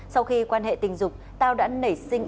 sau khi quan hệ tình dục tao đã nảy sinh